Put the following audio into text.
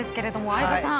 相葉さん？